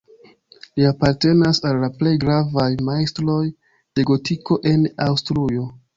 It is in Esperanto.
Li apartenas al la plej gravaj majstroj de gotiko en Aŭstrujo.